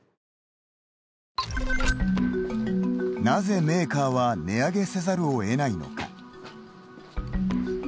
なぜメーカーは値上げせざるを得ないのか。